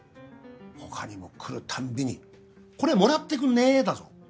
他にも来るたんびにこれもらってくねだぞ。